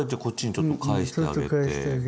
ちょっと返してあげて。